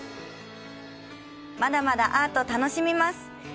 まだまだアート、楽しみます！